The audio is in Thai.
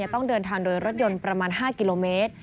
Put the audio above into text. ต้องเดินทางโดยรถยนต์ประมาณ๕กิโลเมตร